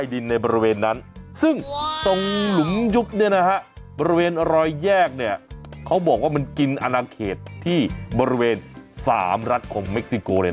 ส่วนค่าไฟครับ๒๓๐บาทต่อครัวเรือน